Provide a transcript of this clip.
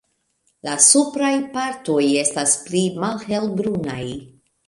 La supraj partoj estas pli malhelbrunaj.